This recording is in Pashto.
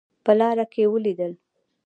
په لاره کې ولیدل.